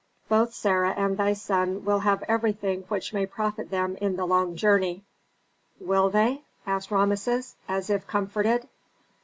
Both Sarah and thy son will have everything which may profit them in the long journey." "Will they?" asked Rameses, as if comforted.